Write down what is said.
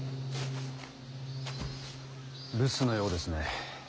留守のようですね。